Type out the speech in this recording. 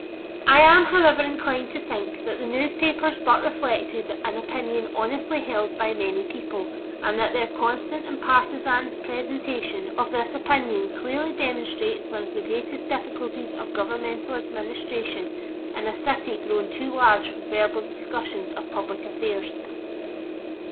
I am, however, inclined to think that the newspapers but reflected an opinion honestly held by many people, and that their constant and partisan presentation of this opinion clearly demonstrates one of the greatest difficulties of governmental administration in a city grown too large for verbal discussions of public affairs.